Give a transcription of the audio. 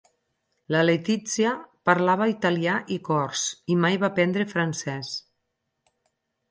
La Letizia parlava italià i cors, i mai va aprendre francès.